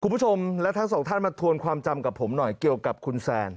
คุณผู้ชมและทั้งสองท่านมาทวนความจำกับผมหน่อยเกี่ยวกับคุณแซน